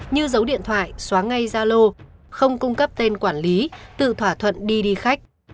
như giấu điện thoại xóa ngay gia lô không cung cấp tên quản lý tự thỏa thuận đi đi khách